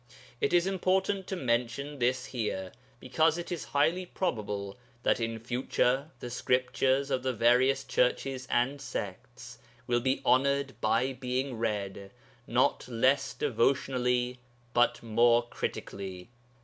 It is important to mention this here because it is highly probable that in future the Scriptures of the various churches and sects will be honoured by being read, not less devotionally but more critically.